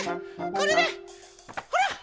これでほら！